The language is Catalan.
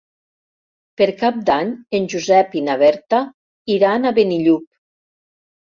Per Cap d'Any en Josep i na Berta iran a Benillup.